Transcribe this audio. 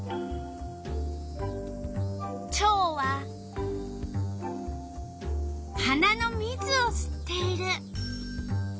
チョウは花のみつをすっている。